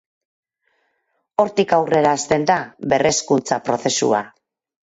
Hortik aurrera, hasten da ber-hezkuntza prozesua.